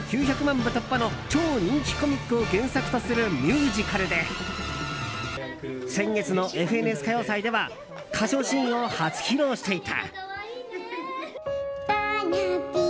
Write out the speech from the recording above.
部突破の超人気コミックを原作とするミュージカルで先月の「ＦＮＳ歌謡祭」では歌唱シーンを初披露していた。